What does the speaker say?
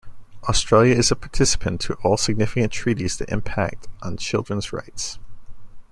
Australia is a participant to all significant treaties that impact on children's rights.